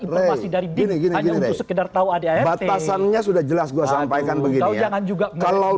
informasi dari diri sekedar tahu ada batasannya sudah jelas gua sampaikan begini jangan juga kalau